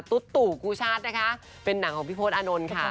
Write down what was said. ตุ๊ดตู่กูชาตินะคะเป็นหนังของพี่โพธอานนท์ค่ะ